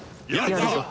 やるぞ。